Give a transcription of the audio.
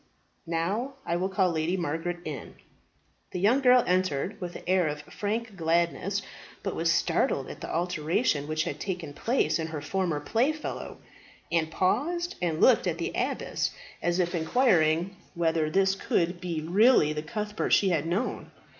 Now I will call Lady Margaret in." The young girl entered with an air of frank gladness, but was startled at the alteration which had taken place in her former playfellow, and paused and looked at the abbess, as if inquiring whether this could be really the Cuthbert she had known.